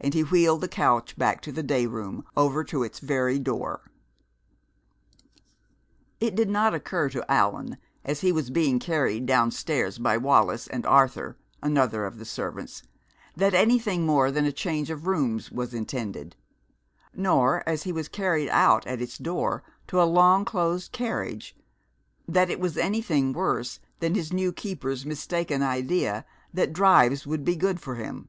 And he wheeled the couch back to the day room, over to its very door. It did not occur to Allan, as he was being carried downstairs by Wallis and Arthur, another of the servants, that anything more than a change of rooms was intended; nor, as he was carried out at its door to a long closed carriage, that it was anything worse than his new keeper's mistaken idea that drives would be good for him.